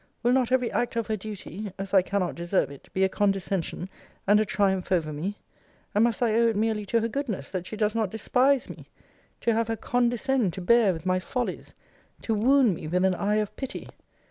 Will not every act of her duty (as I cannot deserve it) be a condescension, and a triumph over me? And must I owe it merely to her goodness that she does not despise me? To have her condescend to bear with my follies! To wound me with an eye of pity!